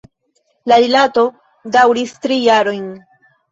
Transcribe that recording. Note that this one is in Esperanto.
La rilato daŭris tri jarojn.